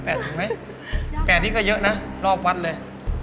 ๘ถึงไหม๘ถึงไหม๘นี่ก็เยอะนะรอบวันเลย